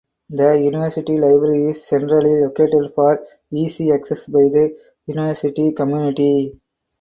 The university library is centrally located for easy access by the university community.